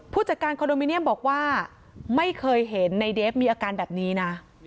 ผู้จัดการคอนโดมิเนียมบอกว่าไม่เคยเห็นในเดฟมีอาการแบบนี้นะ